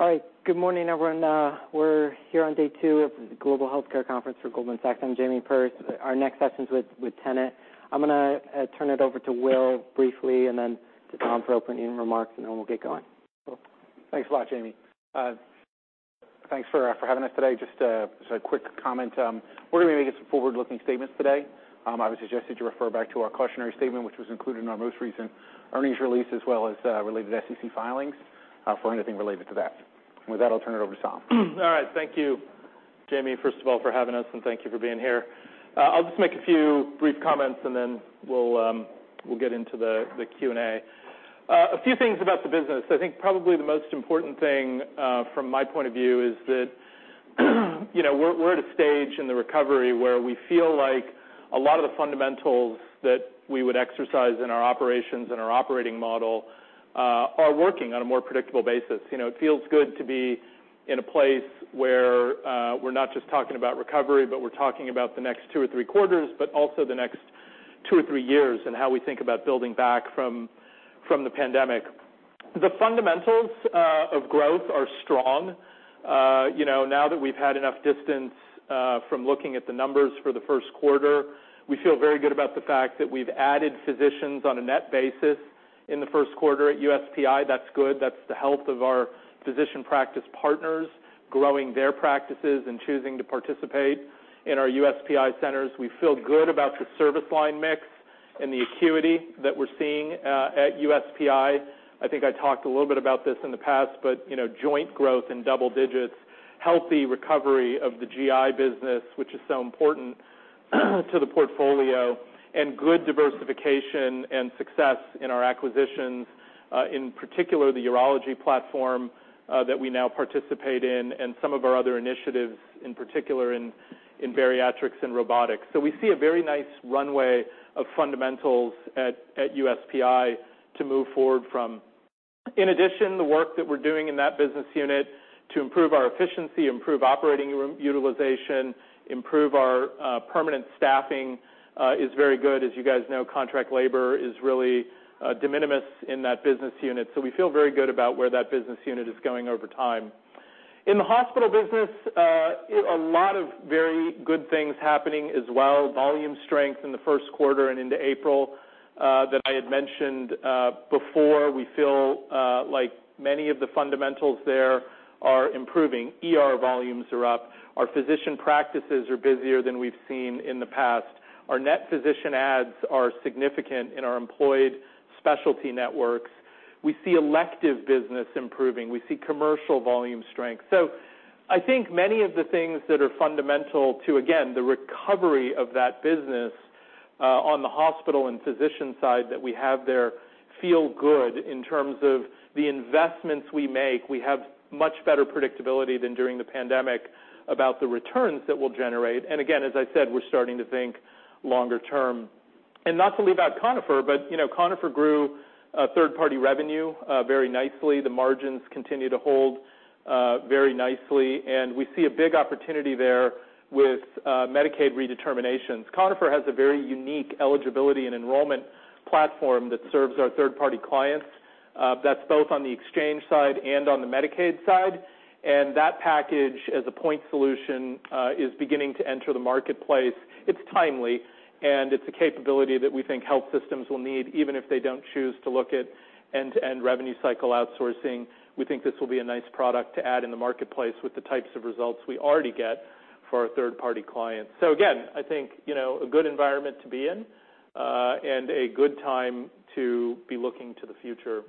All right. Good morning, everyone. We're here on day two of the Global Healthcare Conference for Goldman Sachs. I'm Jamie Perse. Our next session's with Tenet. I'm gonna turn it over to Will briefly, and then to Tom for opening remarks, and then we'll get going. Cool. Thanks a lot, Jamie. Thanks for ehaving us today. Just a quick comment, we're gonna make some forward-looking statements today. I would suggest that you refer back to our cautionary statement, which was included in our most recent earnings release, as well as related SEC filings, for anything related to that. With that, I'll turn it over to Tom. All right. Thank you, Jamie, first of all, for having us, and thank you for being here. I'll just make a few brief comments, and then we'll get into the Q&A. A few things about the business. I think probably the most important thing, from my point of view is that, you know, we're at a stage in the recovery where we feel like a lot of the fundamentals that we would exercise in our operations and our operating model, are working on a more predictable basis. You know, it feels good to be in a place where we're not just talking about recovery, but we're talking about the next two or three quarters, but also the next two or three years, and how we think about building back from the pandemic. The fundamentals of growth are strong. You know, now that we've had enough distance from looking at the numbers for the first quarter, we feel very good about the fact that we've added physicians on a net basis in the first quarter at USPI. That's good. That's the health of our physician practice partners, growing their practices and choosing to participate in our USPI centers. We feel good about the service line mix and the acuity that we're seeing at USPI. I think I talked a little bit about this in the past, but, you know, joint growth in double digits, healthy recovery of the GI business, which is so important to the portfolio, and good diversification and success in our acquisitions, in particular, the urology platform that we now participate in, and some of our other initiatives, in particular in bariatrics and robotics. We see a very nice runway of fundamentals at USPI to move forward from. In addition, the work that we're doing in that business unit to improve our efficiency, improve operating room utilization, improve our permanent staffing is very good. As you guys know, contract labor is really de minimis in that business unit. We feel very good about where that business unit is going over time. In the hospital business, a lot of very good things happening as well. Volume strength in the first quarter and into April that I had mentioned before. We feel like many of the fundamentals there are improving. ER volumes are up. Our physician practices are busier than we've seen in the past. Our net physician adds are significant in our employed specialty networks. We see elective business improving. We see commercial volume strength. I think many of the things that are fundamental to, again, the recovery of that business, on the hospital and physician side that we have there, feel good in terms of the investments we make. We have much better predictability than during the pandemic about the returns that we'll generate. Again, as I said, we're starting to think longer term. Not to leave out Conifer, but, you know, Conifer grew, third-party revenue, very nicely. The margins continue to hold, very nicely, and we see a big opportunity there with Medicaid redeterminations. Conifer has a very unique Eligibility and Enrollment platform that serves our third-party clients, that's both on the exchange side and on the Medicaid side, and that package, as a point solution, is beginning to enter the marketplace. It's timely, and it's a capability that we think health systems will need, even if they don't choose to look at end-to-end revenue cycle outsourcing. We think this will be a nice product to add in the marketplace with the types of results we already get for our third-party clients. Again, I think, you know, a good environment to be in, and a good time to be looking to the future,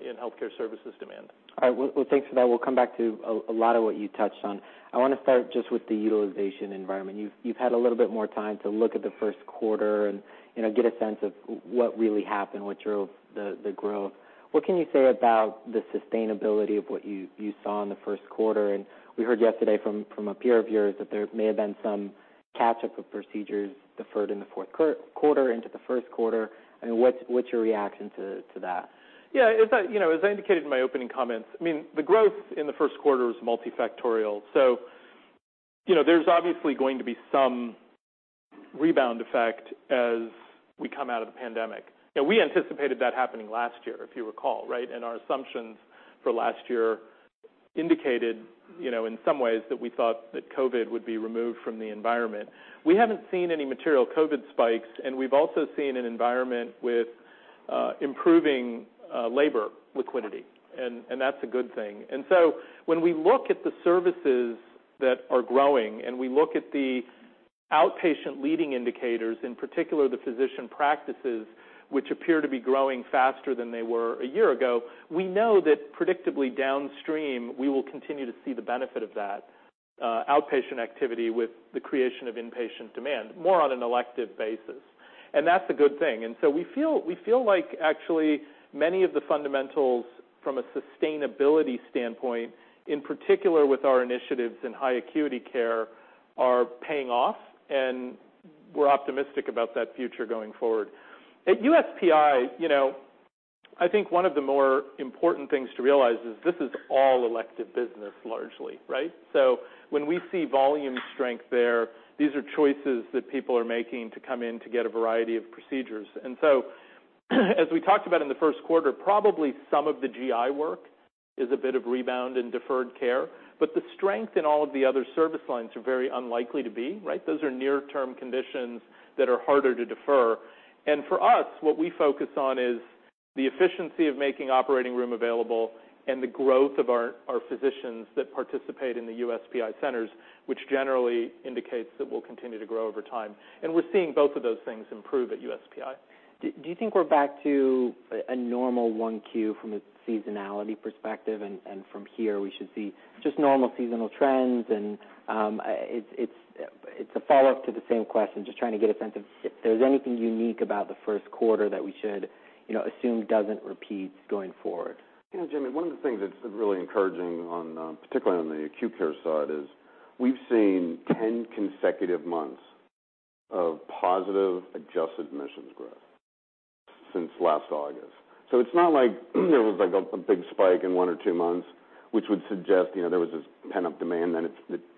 in healthcare services demand. All right. Well, thanks for that. We'll come back to a lot of what you touched on. I wanna start just with the utilization environment. You've had a little bit more time to look at the first quarter and, you know, get a sense of what really happened, what drove the growth. What can you say about the sustainability of what you saw in the first quarter? We heard yesterday from a peer of yours, that there may have been some catch-up of procedures deferred in the fourth quarter into the first quarter, and what's your reaction to that? Yeah, as I, you know, as I indicated in my opening comments, I mean, the growth in the first quarter was multifactorial, you know, there's obviously going to be some rebound effect as we come out of the pandemic. You know, we anticipated that happening last year, if you recall, right? Our assumptions for last year indicated, you know, in some ways that we thought that COVID would be removed from the environment. We haven't seen any material COVID spikes, and we've also seen an environment with improving labor liquidity, and that's a good thing. When we look at the services that are growing, and we look at the outpatient leading indicators, in particular, the physician practices, which appear to be growing faster than they were a year ago, we know that predictably downstream, we will continue to see the benefit of that outpatient activity with the creation of inpatient demand, more on an elective basis. That's a good thing. We feel like actually many of the fundamentals from a sustainability standpoint, in particular with our initiatives in high acuity care, are paying off, and we're optimistic about that future going forward. At USPI, you know, I think one of the more important things to realize is this is all elective business, largely, right? When we see volume strength there, these are choices that people are making to come in to get a variety of procedures. As we talked about in the first quarter, probably some of the GI work is a bit of rebound in deferred care, but the strength in all of the other service lines are very unlikely to be, right? Those are near-term conditions that are harder to defer. For us, what we focus on is the efficiency of making operating room available and the growth of our physicians that participate in the USPI centers, which generally indicates that we'll continue to grow over time. We're seeing both of those things improve at USPI. Do you think we're back to a normal 1Q from a seasonality perspective, and from here, we should see just normal seasonal trends? It's a follow-up to the same question, just trying to get a sense of if there's anything unique about the first quarter that we should, you know, assume doesn't repeat going forward. Yeah, Jamie Perse, one of the things that's really encouraging on particularly on the acute care side, is we've seen 10 consecutive months of positive adjusted admissions growth since last August. It's not like, there was, like, a big spike in one or two months, which would suggest, you know, there was this pent-up demand, then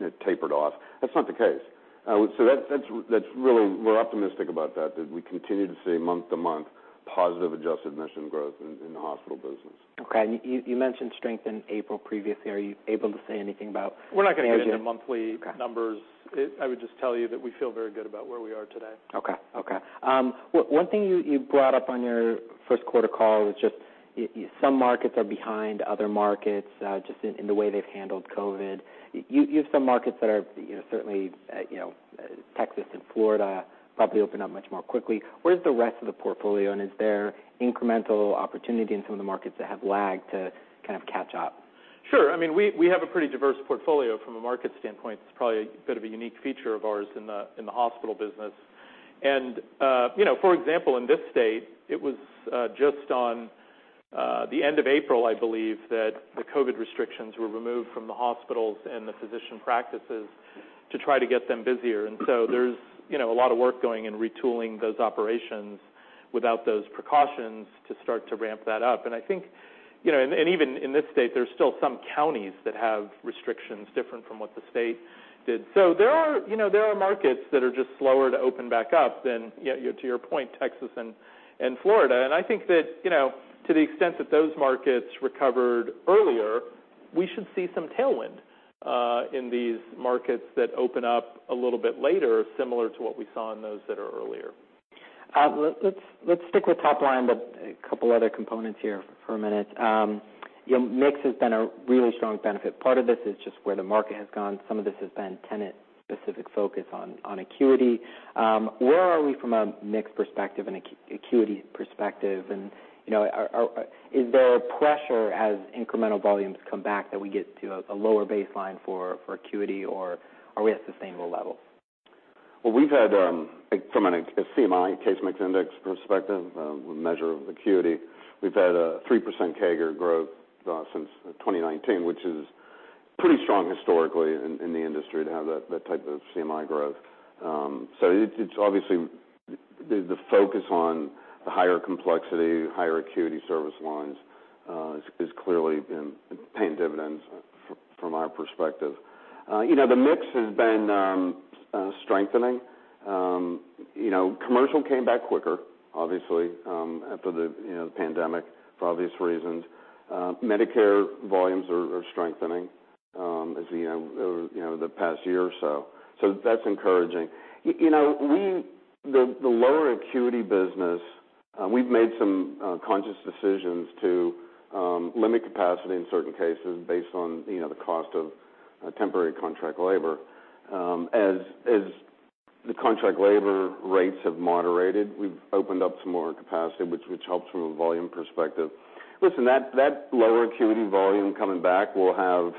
it tapered off. That's not the case. We're optimistic about that we continue to see month-to-month positive adjusted admission growth in the hospital business. Okay. You mentioned strength in April previously. Are you able to say anything about. We're not going to get into monthly- Okay... numbers. I would just tell you that we feel very good about where we are today. Okay. Okay. One thing you brought up on your first quarter call was just some markets are behind other markets, in the way they've handled COVID. You have some markets that are, you know, certainly, you know, Texas and Florida, probably opened up much more quickly. Where's the rest of the portfolio, and is there incremental opportunity in some of the markets that have lagged to kind of catch up? Sure. I mean, we have a pretty diverse portfolio from a market standpoint. It's probably a bit of a unique feature of ours in the, in the hospital business. You know, for example, in this state, it was just on the end of April, I believe, that the COVID restrictions were removed from the hospitals and the physician practices to try to get them busier. There's, you know, a lot of work going in retooling those operations without those precautions to start to ramp that up. I think, you know, even in this state, there's still some counties that have restrictions different from what the state did. There are, you know, markets that are just slower to open back up than, yeah, to your point, Texas and Florida. I think that, you know, to the extent that those markets recovered earlier, we should see some tailwind, in these markets that open up a little bit later, similar to what we saw in those that are earlier. Let's stick with top line, but a couple other components here for a minute. You know, mix has been a really strong benefit. Part of this is just where the market has gone. Some of this has been Tenet-specific focus on acuity. Where are we from a mix perspective and acuity perspective? You know, is there pressure as incremental volumes come back, that we get to a lower baseline for acuity, or are we at sustainable levels? We've had, from a CMI, Case Mix Index perspective, a measure of acuity, we've had a 3% CAGR growth, since 2019, which is pretty strong historically in the industry to have that type of CMI growth. So it's obviously, the focus on the higher complexity, higher acuity service lines, is clearly paying dividends from our perspective. You know, the mix has been strengthening. Commercial came back quicker, obviously, after the, you know, the pandemic, for obvious reasons. Medicare volumes are strengthening, as you know, you know, the past year or so. That's encouraging. You know, the lower acuity business, we've made some conscious decisions to limit capacity in certain cases based on, you know, the cost of temporary contract labor. As the contract labor rates have moderated, we've opened up some more capacity, which helps from a volume perspective. Listen, that lower acuity volume coming back will have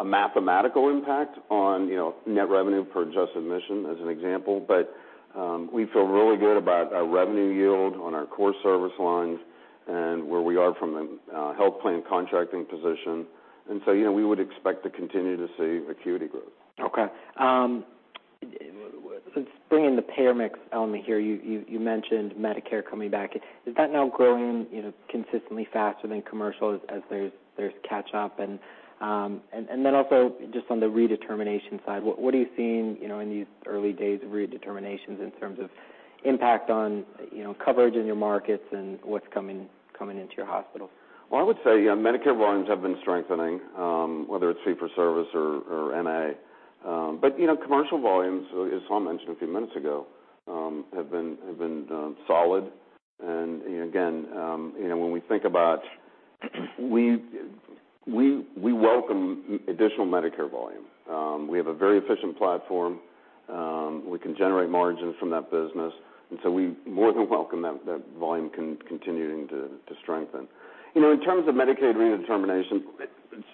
a mathematical impact on, you know, net revenue per adjusted admission, as an example. We feel really good about our revenue yield on our core service lines and where we are from a health plan contracting position. You know, we would expect to continue to see acuity growth. Okay. Let's bring in the payer mix element here. You mentioned Medicare coming back. Is that now growing, you know, consistently faster than commercial as there's catch-up? And then also just on the redetermination side, what are you seeing, you know, in these early days of redeterminations in terms of impact on, you know, coverage in your markets and what's coming into your hospitals? Well, I would say, yeah, Medicare volumes have been strengthening, whether it's fee-for-service or MA. You know, commercial volumes, as Tom mentioned a few minutes ago, have been solid. Again, you know, we welcome additional Medicare volume. We have a very efficient platform. We can generate margins from that business, we more than welcome that volume continuing to strengthen. You know, in terms of Medicaid redetermination,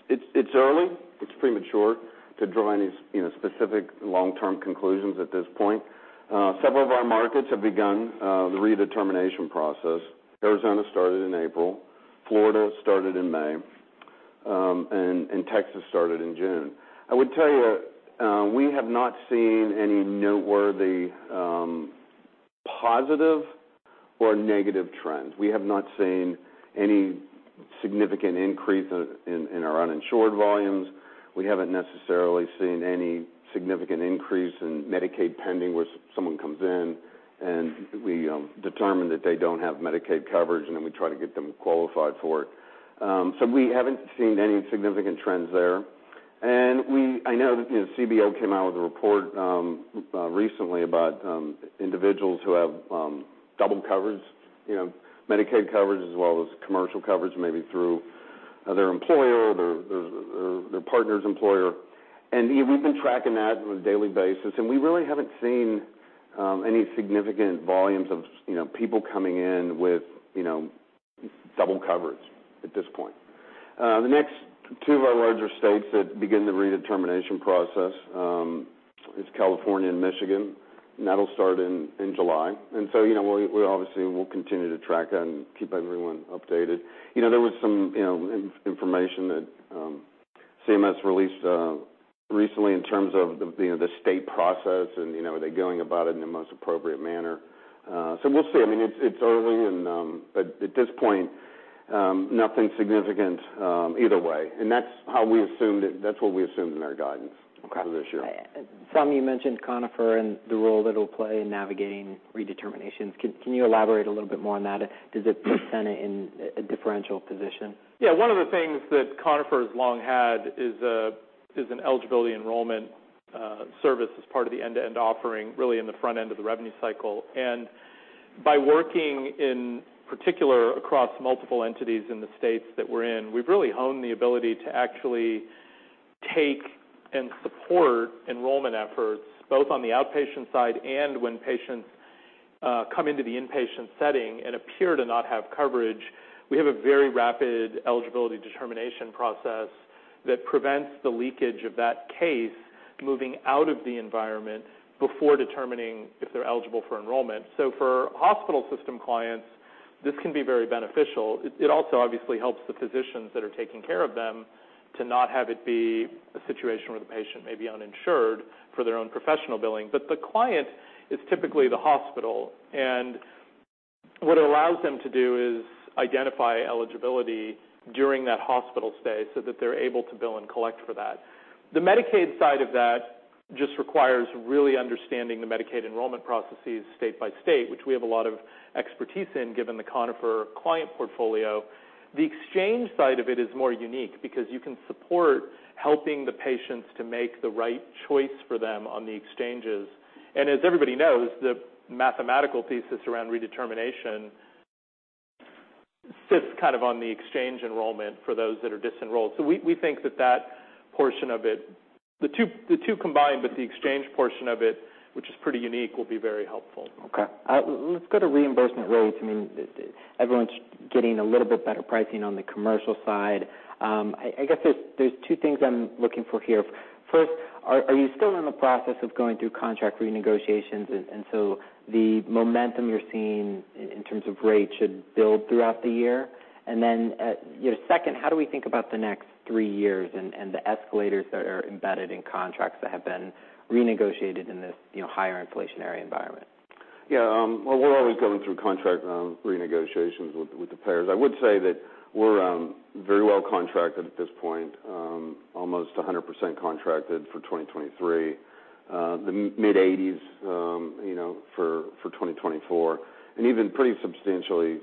it's early, it's premature to draw any, you know, specific long-term conclusions at this point. Several of our markets have begun the redetermination process. Arizona started in April, Florida started in May, and Texas started in June. I would tell you, we have not seen any noteworthy positive or negative trends. We have not seen any significant increase in our uninsured volumes. We haven't necessarily seen any significant increase in Medicaid pending, where someone comes in, and we determine that they don't have Medicaid coverage, and then we try to get them qualified for it. We haven't seen any significant trends there. We I know that, you know, CBO came out with a report recently about individuals who have double coverage, you know, Medicaid coverage as well as commercial coverage, maybe through their employer or their, their partner's employer. You know, we've been tracking that on a daily basis, and we really haven't seen any significant volumes of, you know, people coming in with, you know, double coverage at this point. The next two of our larger states that begin the redetermination process, is California and Michigan, and that'll start in July. You know, we obviously will continue to track that and keep everyone updated. You know, there was some, you know, information that, CMS released, recently in terms of the, you know, the state process, and, you know, are they going about it in the most appropriate manner? So we'll see. I mean, it's early and, but at this point, nothing significant, either way. That's how we assumed it. That's what we assumed in our guidance- Okay for this year. You mentioned Conifer and the role it'll play in navigating redeterminations. Can you elaborate a little bit more on that? Does it present in a differential position? Yeah, one of the things that Conifer has long had is a, is an Eligibility and Enrollment service as part of the end-to-end offering, really in the front end of the revenue cycle. By working, in particular, across multiple entities in the states that we're in, we've really honed the ability to actually take and support enrollment efforts, both on the outpatient side and when patients, come into the inpatient setting and appear to not have coverage. We have a very rapid eligibility determination process that prevents the leakage of that case moving out of the environment before determining if they're eligible for enrollment. For hospital system clients, this can be very beneficial. It also obviously helps the physicians that are taking care of them to not have it be a situation where the patient may be uninsured for their own professional billing. The client is typically the hospital, and what it allows them to do is identify eligibility during that hospital stay so that they're able to bill and collect for that. The Medicaid side of that just requires really understanding the Medicaid enrollment processes state by state, which we have a lot of expertise in, given the Conifer client portfolio. The exchange side of it is more unique because you can support helping the patients to make the right choice for them on the exchanges. As everybody knows, the mathematical thesis around redetermination sits kind of on the exchange enrollment for those that are disenrolled. We think that that portion of it, the two combined, but the exchange portion of it, which is pretty unique, will be very helpful. Okay. Let's go to reimbursement rates. I mean, everyone's getting a little bit better pricing on the commercial side. I guess there's two things I'm looking for here. First, are you still in the process of going through contract renegotiations, and so the momentum you're seeing in terms of rates, should build throughout the year? You know, second, how do we think about the next three years and the escalators that are embedded in contracts that have been renegotiated in this, you know, higher inflationary environment? Yeah, well, we're always going through contract renegotiations with the payers. I would say that we're very well contracted at this point, almost 100% contracted for 2023, the mid-80s, you know, for 2024, and even pretty substantially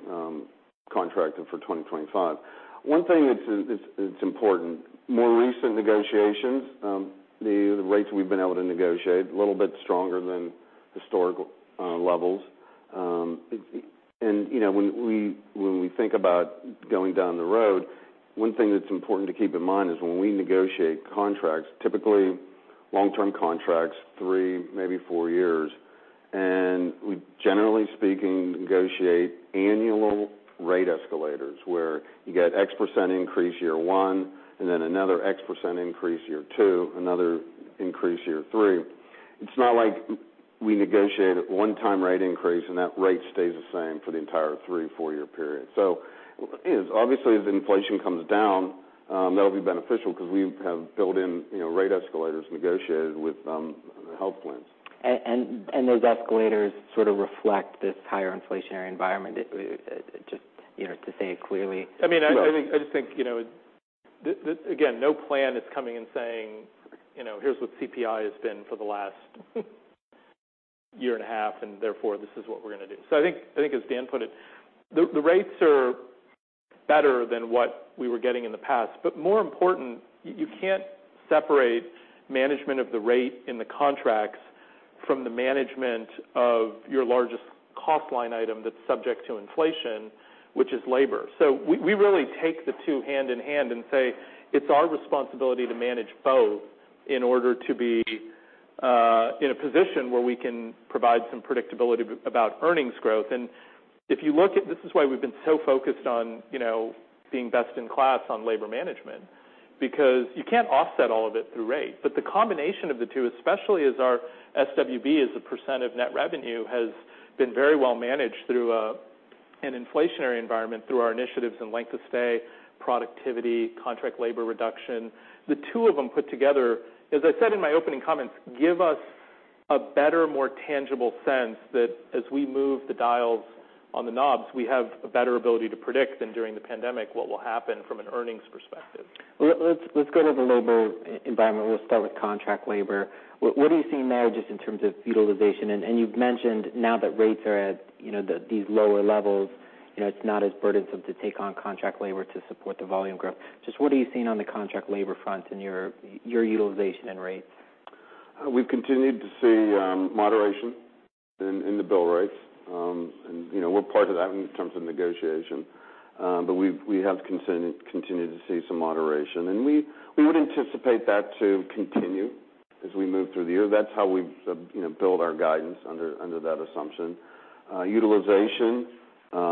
contracted for 2025. One thing that's important, more recent negotiations, the rates we've been able to negotiate a little bit stronger than historical levels. You know, when we think about going down the road, one thing that's important to keep in mind is when we negotiate contracts, typically long-term contracts, three, maybe four years, and we, generally speaking, negotiate annual rate escalators, where you get X% increase year one, and then another X% increase year one, another increase year three. It's not like we negotiate a one-time rate increase, and that rate stays the same for the entire three, four-year period. Obviously, as inflation comes down, that'll be beneficial because we have built in, you know, rate escalators negotiated with the health plans. Those escalators sort of reflect this higher inflationary environment, just, you know, to say it clearly. I mean, I just think, you know, again, no plan is coming and saying, you know, "Here's what CPI has been for the last year and a half, and therefore, this is what we're going to do." I think as Dan put it, the rates are better than what we were getting in the past. More important, you can't separate management of the rate in the contracts from the management of your largest cost line item that's subject to inflation, which is labor. We really take the two hand in hand and say, "It's our responsibility to manage both in order to be in a position where we can provide some predictability about earnings growth." If you look at... This is why we've been so focused on, you know, being best in class on labor management, because you can't offset all of it through rate. But the combination of the two, especially as our SWB, as a percentage of net revenue, has been very well managed through an inflationary environment, through our initiatives and length of stay, productivity, contract labor reduction. The two of them put together, as I said in my opening comments, give us a better, more tangible sense that as we move the dials on the knobs, we have a better ability to predict than during the pandemic, what will happen from an earnings perspective. Let's go to the labor environment. We'll start with contract labor. What are you seeing there just in terms of utilization? You've mentioned now that rates are at, you know, these lower levels, you know, it's not as burdensome to take on contract labor to support the volume growth. Just what are you seeing on the contract labor front in your utilization and rates? We've continued to see moderation in the bill rates. You know, we're part of that in terms of negotiation. We have continued to see some moderation, and we would anticipate that to continue as we move through the year. That's how we, you know, build our guidance under that assumption. Utilization,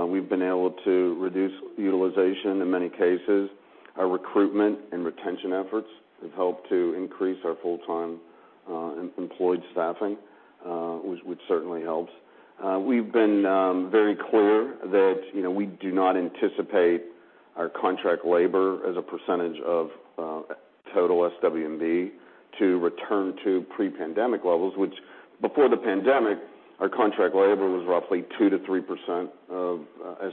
we've been able to reduce utilization in many cases. Our recruitment and retention efforts have helped to increase our full-time employed staffing, which certainly helps. We've been very clear that, you know, we do not anticipate our contract labor as a percentage of total SW&B to return to pre-pandemic levels. Before the pandemic, our contract labor was roughly 2%-3% of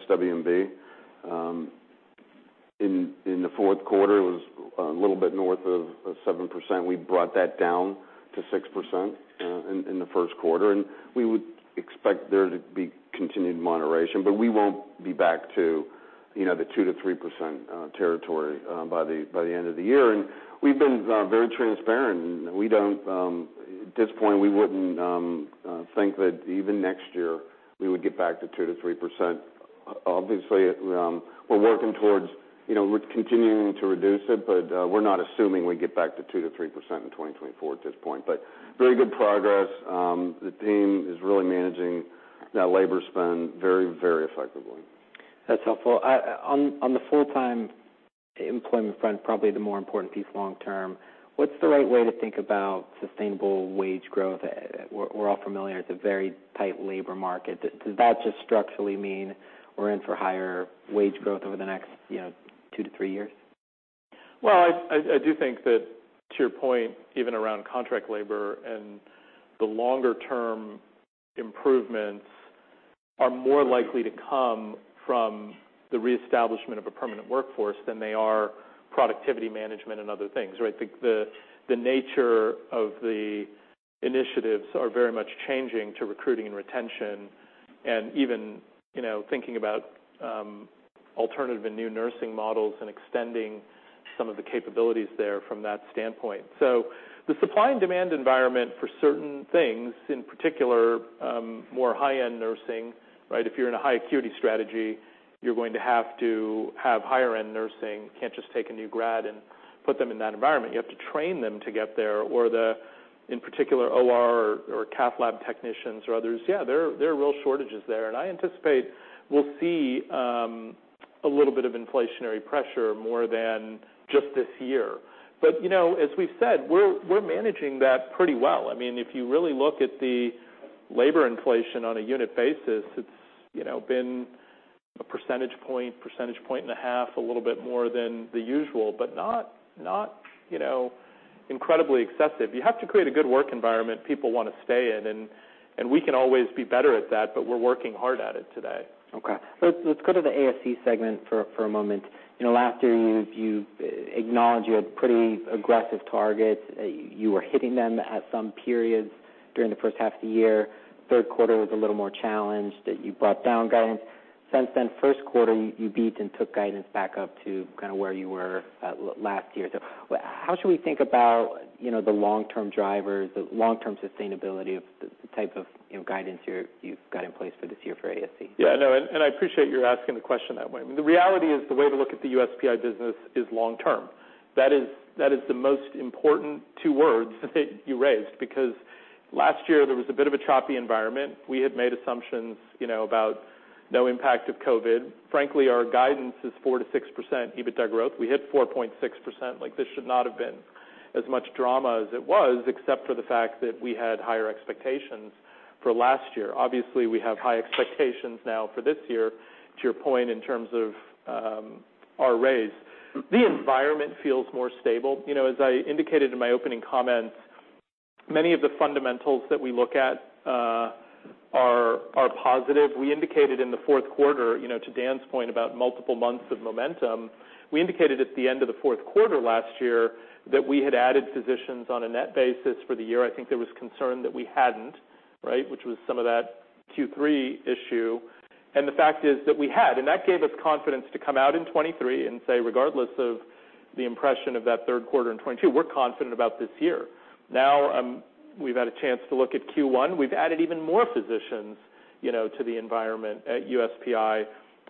SW&B. In the fourth quarter, it was a little bit north of 7%. We brought that down to 6% in the first quarter, and we would expect there to be continued moderation. We won't be back to, you know, the 2%-3% territory by the end of the year. We've been very transparent, and we don't. At this point, we wouldn't think that even next year we would get back to 2%-3%. Obviously, we're working towards, you know, we're continuing to reduce it, but we're not assuming we get back to 2%-3% in 2024 at this point. Very good progress. The team is really managing that labor spend very, very effectively. That's helpful. On the full-time employment front, probably the more important piece long term, what's the right way to think about sustainable wage growth? We're all familiar, it's a very tight labor market. Does that just structurally mean we're in for higher wage growth over the next, you know, two to three years? I do think that, to your point, even around contract labor and the longer-term improvements, are more likely to come from the reestablishment of a permanent workforce than they are productivity management and other things, right? The nature of the initiatives are very much changing to recruiting and retention and even, you know, thinking about alternative and new nursing models and extending some of the capabilities there from that standpoint. The supply and demand environment for certain things, in particular, more high-end nursing, right? If you're in a high acuity strategy, you're going to have to have higher-end nursing. You can't just take a new grad and put them in that environment. You have to train them to get there. The, in particular, OR or cath lab technicians or others, yeah, there are real shortages there, and I anticipate we'll see a little bit of inflationary pressure more than just this year. You know, as we've said, we're managing that pretty well. I mean, if you really look at the labor inflation on a unit basis, it's, you know, been a percentage point, percentage point and a half, a little bit more than the usual, but not, you know, incredibly excessive. You have to create a good work environment people want to stay in, and we can always be better at that, but we're working hard at it today. Okay. Let's go to the ASC segment for a moment. You know, last year, you acknowledged you had pretty aggressive targets. You were hitting them at some periods during the first half of the year. Third quarter was a little more challenged, that you brought down guidance. Since then, first quarter, you beat and took guidance back up to kind of where you were last year. How should we think about, you know, the long-term drivers, the long-term sustainability of the type of, you know, guidance you've got in place for this year for ASC? Yeah, I know, and I appreciate you're asking the question that way. I mean, the reality is, the way to look at the USPI business is long term. That is the most important two words that you raised, because last year there was a bit of a choppy environment. We had made assumptions, you know, about no impact of COVID. Frankly, our guidance is 4%-6% EBITDA growth. We hit 4.6%. Like, this should not have been as much drama as it was, except for the fact that we had higher expectations for last year. Obviously, we have high expectations now for this year, to your point, in terms of our raise. The environment feels more stable. You know, as I indicated in my opening comments, many of the fundamentals that we look at are positive. We indicated in the fourth quarter, you know, to Dan's point, about multiple months of momentum, we indicated at the end of the fourth quarter last year that we had added physicians on a net basis for the year. I think there was concern that we hadn't, right? Which was some of that Q3 issue. The fact is that we had, and that gave us confidence to come out in 2023 and say, "Regardless of the impression of that third quarter in 2022, we're confident about this year." Now, we've had a chance to look at first quarter. We've added even more physicians, you know, to the environment at USPI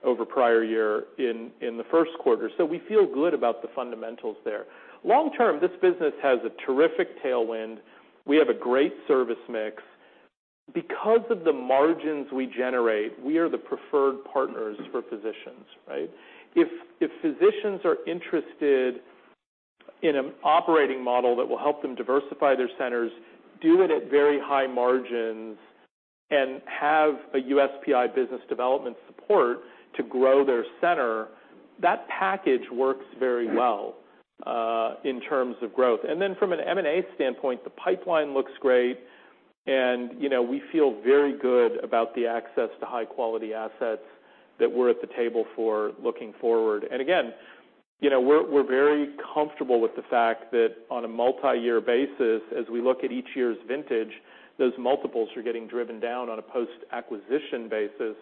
over prior year in the 1st quarter. We feel good about the fundamentals there. Long term, this business has a terrific tailwind. We have a great service mix. Because of the margins we generate, we are the preferred partners for physicians, right? If physicians are interested in an operating model that will help them diversify their centers, do it at very high margins, and have a USPI business development support to grow their center, that package works very well in terms of growth. From an M&A standpoint, the pipeline looks great, you know, we feel very good about the access to high-quality assets that we're at the table for looking forward. You know, we're very comfortable with the fact that on a multi-year basis, as we look at each year's vintage, those multiples are getting driven down on a post-acquisition basis,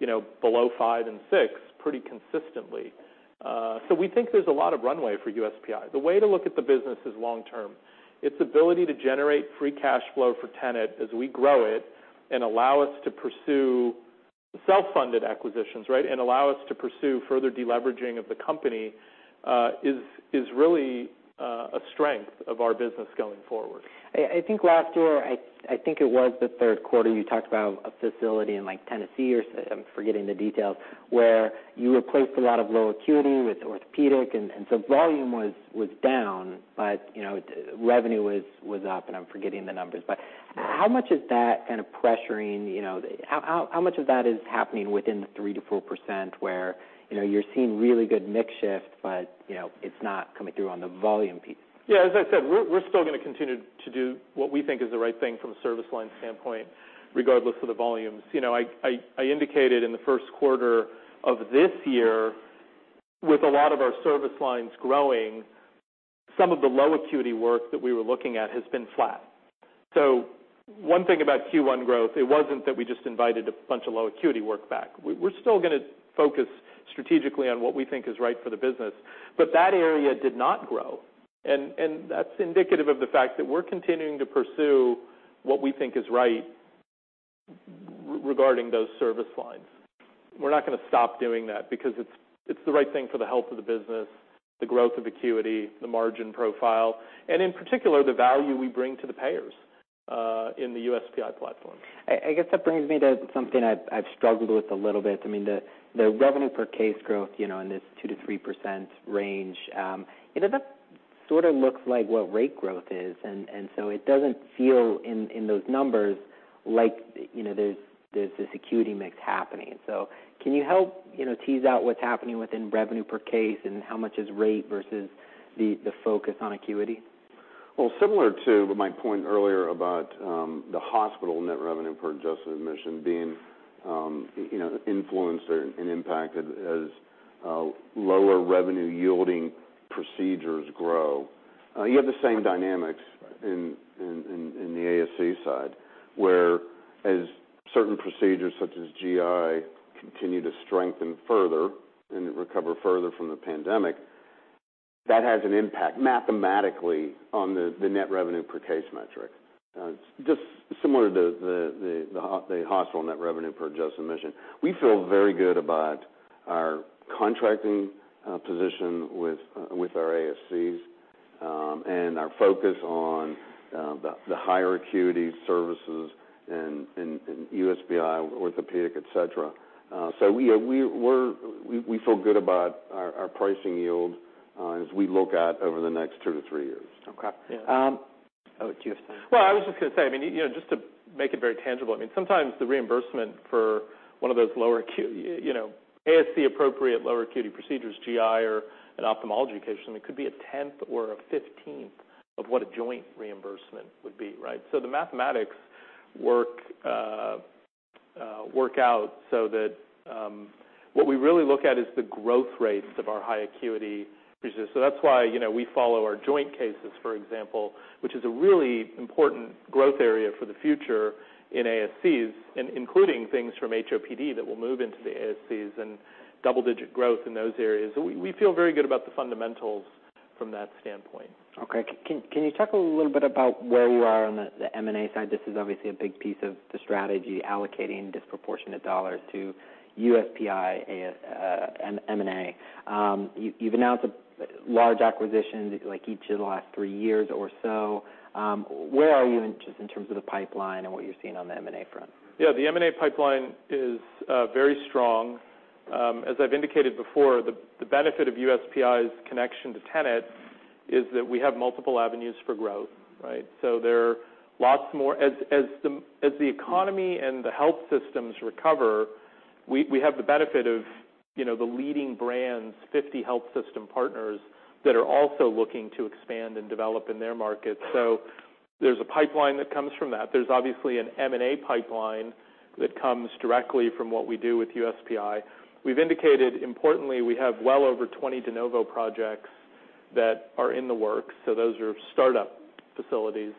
you know, below 5x and 6x pretty consistently. We think there's a lot of runway for USPI. The way to look at the business is long term. Its ability to generate free cash flow for Tenet as we grow it and allow us to pursue self-funded acquisitions, right, and allow us to pursue further deleveraging of the company, is really a strength of our business going forward. I think last year, I think it was the third quarter, you talked about a facility in, like, Tennessee, or I'm forgetting the details, where you replaced a lot of low acuity with orthopedic, and so volume was down, but, you know, revenue was up, and I'm forgetting the numbers. How much is that kind of pressuring, you know, how much of that is happening within the 3%-4% where, you know, you're seeing really good mix shift, but, you know, it's not coming through on the volume piece? Yeah, as I said, we're still gonna continue to do what we think is the right thing from a service line standpoint, regardless of the volumes. You know, I indicated in the first quarter of this year, with a lot of our service lines growing, some of the low acuity work that we were looking at has been flat. One thing about first quarter growth, it wasn't that we just invited a bunch of low acuity work back. We're still gonna focus strategically on what we think is right for the business, but that area did not grow. That's indicative of the fact that we're continuing to pursue what we think is right regarding those service lines. We're not gonna stop doing that because it's the right thing for the health of the business, the growth of acuity, the margin profile, and in particular, the value we bring to the payers in the USPI platform. I guess that brings me to something I've struggled with a little bit. I mean, the revenue per case growth, you know, in this 2%-3% range, you know, that sort of looks like what rate growth is, and so it doesn't feel, in those numbers, like, you know, there's this acuity mix happening. Can you help, you know, tease out what's happening within revenue per case and how much is rate versus the focus on acuity? Similar to my point earlier about, you know, the hospital net revenue per adjusted admission being influenced or, and impacted as lower revenue-yielding procedures grow, you have the same dynamics in the ASC side, where as certain procedures, such as GI, continue to strengthen further and recover further from the pandemic, that has an impact, mathematically, on the net revenue per case metric. Just similar to the hospital net revenue per adjusted admission. We feel very good about our contracting position with our ASCs, and our focus on the higher acuity services and USPI, orthopedic, et cetera. We feel good about our pricing yield as we look out over the next two to three years. Okay. Yeah. Oh, do you have something? Well, I was just gonna say, I mean, you know, just to make it very tangible, I mean, sometimes the reimbursement for one of those lower ASC-appropriate, lower acuity procedures, GI or an ophthalmology case, I mean, could be a tenth or a fifteenth of what a joint reimbursement would be, right? The mathematics work out so that what we really look at is the growth rates of our high acuity procedures. That's why, you know, we follow our joint cases, for example, which is a really important growth area for the future in ASCs, and including things from HOPD that will move into the ASCs and double-digit growth in those areas. We feel very good about the fundamentals from that standpoint. Okay. Can you talk a little bit about where you are on the M&A side? This is obviously a big piece of the strategy, allocating disproportionate dollars to USPI, and M&A. You've announced a large acquisition, like, each of the last three years or so. Where are you in just in terms of the pipeline and what you're seeing on the M&A front? The M&A pipeline is very strong. As I've indicated before, the benefit of USPI's connection to Tenet is that we have multiple avenues for growth, right? There are lots more... As the economy and the health systems recover, we have the benefit of, you know, the leading brands, 50 health system partners, that are also looking to expand and develop in their markets. There's a pipeline that comes from that. There's obviously an M&A pipeline that comes directly from what we do with USPI. We've indicated, importantly, we have well over 20 de novo projects that are in the works, so those are startup facilities,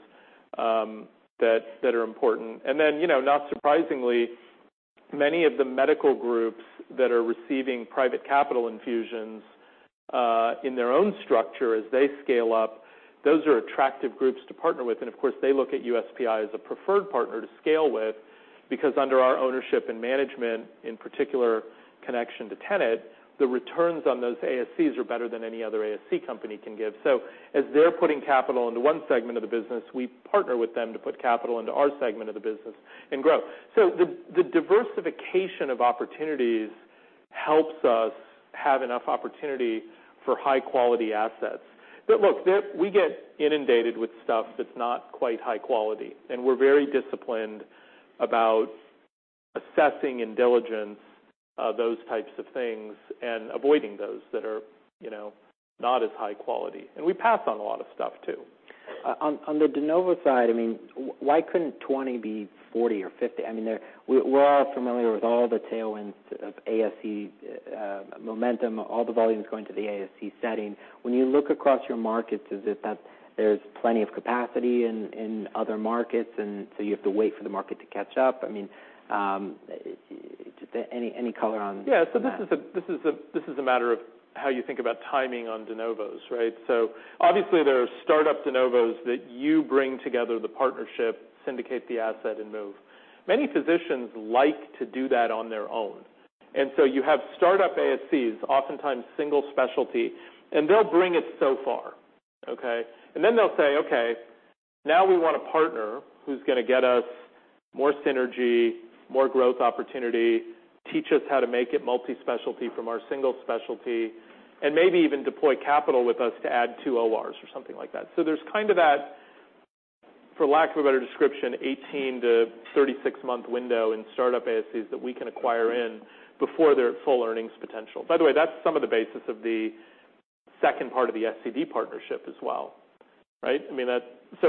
that are important. you know, not surprisingly, many of the medical groups that are receiving private capital infusions, in their own structure as they scale up, those are attractive groups to partner with. They look at USPI as a preferred partner to scale with, because under our ownership and management, in particular, connection to Tenet, the returns on those ASCs are better than any other ASC company can give. They're putting capital into one segment of the business, we partner with them to put capital into our segment of the business and grow. The diversification of opportunities helps us have enough opportunity for high-quality assets. We get inundated with stuff that's not quite high quality, and we're very disciplined about assessing and diligence, those types of things and avoiding those that are, you know, not as high quality. We pass on a lot of stuff, too. On the de novo side, I mean, why couldn't 20 be 40 or 50? I mean, we're all familiar with all the tailwinds of ASC momentum, all the volumes going to the ASC setting. When you look across your markets, is it that there's plenty of capacity in other markets, and so you have to wait for the market to catch up? I mean, just any color on. Yeah, this is a matter of how you think about timing on de novos, right? Obviously, there are startup de novos that you bring together the partnership, syndicate the asset, and move. Many physicians like to do that on their own, and so you have startup ASCs, oftentimes single specialty, and they'll bring it so far, okay? Then they'll say, "Okay, now we want a partner who's gonna get us more synergy, more growth opportunity, teach us how to make it multi-specialty from our single specialty, and maybe even deploy capital with us to add 2 ORs," or something like that. There's kind of that, for lack of a better description, 18 month-36 month window in startup ASCs that we can acquire in before their full earnings potential. By the way, that's some of the basis of the second part of the SCD partnership as well, right? I mean,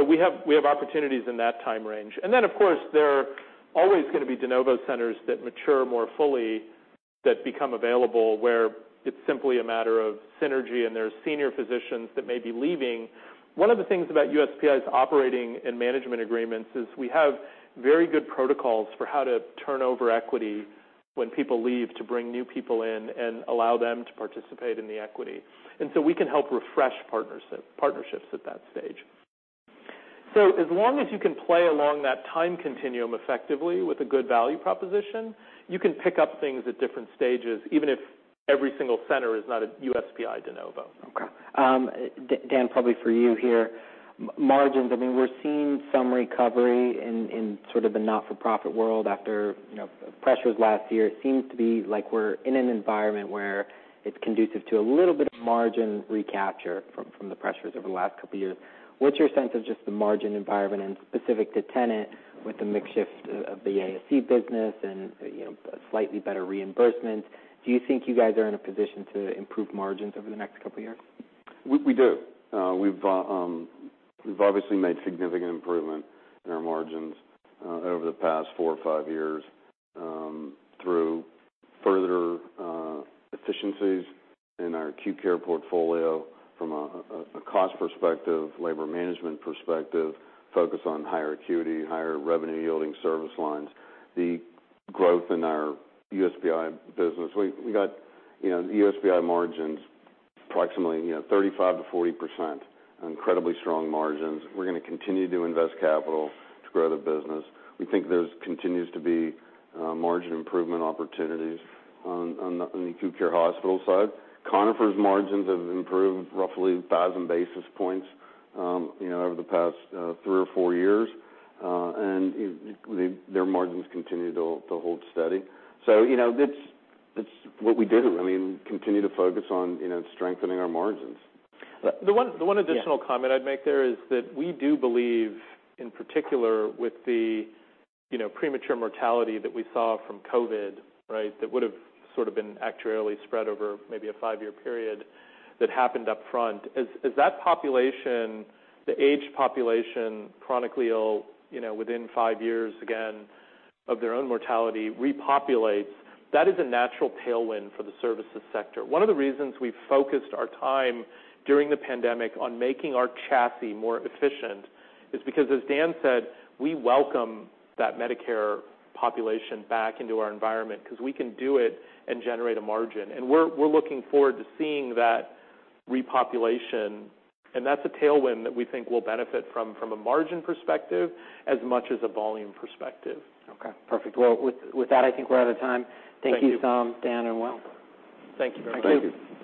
we have opportunities in that time range. Of course, there are always gonna be de novo centers that mature more fully, that become available, where it's simply a matter of synergy, and there's senior physicians that may be leaving. One of the things about USPI's operating and management agreements is we have very good protocols for how to turn over equity when people leave, to bring new people in and allow them to participate in the equity, and so we can help refresh partnerships at that stage. As long as you can play along that time continuum effectively with a good value proposition, you can pick up things at different stages, even if every single center is not a USPI de novo. Okay. Dan, probably for you here. Margins, I mean, we're seeing some recovery in sort of the not-for-profit world after, you know, pressures last year. It seems to be like we're in an environment where it's conducive to a little bit of margin recapture from the pressures over the last couple of years. What's your sense of just the margin environment and specific to Tenet with the mix shift of the ASC business and, you know, slightly better reimbursement? Do you think you guys are in a position to improve margins over the next couple of years? We do. We've obviously made significant improvement in our margins over the past four or four years through further efficiencies in our acute care portfolio from a cost perspective, labor management perspective, focus on higher acuity, higher revenue-yielding service lines. The growth in our USPI business, we got, you know, USPI margins approximately, you know, 35%-40%. Incredibly strong margins. We're gonna continue to invest capital to grow the business. We think there continues to be margin improvement opportunities on the acute care hospital side. Conifer's margins have improved roughly 1,000 basis points, you know, over the past three or four years. Their margins continue to hold steady. You know, it's what we did, I mean, continue to focus on, you know, strengthening our margins. The one. Yeah... additional comment I'd make there is that we do believe, in particular, with the, you know, premature mortality that we saw from COVID, right? That would've sort of been actuarially spread over maybe a five-year period that happened upfront. As that population, the aged population, chronically ill, you know, within five years, again, of their own mortality, repopulates, that is a natural tailwind for the services sector. One of the reasons we've focused our time during the pandemic on making our chassis more efficient is because, as Dan said, we welcome that Medicare population back into our environment, 'cause we can do it and generate a margin. We're looking forward to seeing that repopulation, and that's a tailwind that we think will benefit from a margin perspective as much as a volume perspective. Okay, perfect. Well, with that, I think we're out of time. Thank you. Thank you, Tom, Dan, and Will. Thank you very much. Thank you.